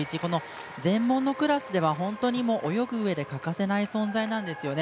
全盲のクラスでは泳ぐ上で欠かせない存在なんですよね。